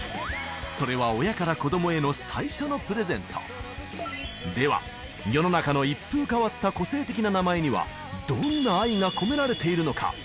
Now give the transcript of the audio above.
名前それはでは世の中の一風変わった個性的な名前にはどんな愛が込められているのか？